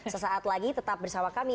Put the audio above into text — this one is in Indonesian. sesaat lagi tetap bersama kami